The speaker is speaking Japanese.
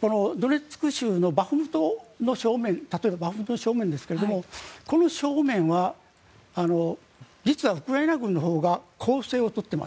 ドネツク州の例えばバフムトの正面ですがこの正面は実はウクライナ軍のほうが攻勢を取っています。